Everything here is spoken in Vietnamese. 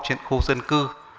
trên khu dân cư